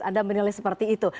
anda menilai seperti itu